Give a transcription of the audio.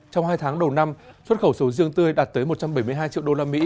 trong hai tháng đầu năm xuất khẩu sầu riêng tươi đạt tới một trăm bảy mươi hai triệu usd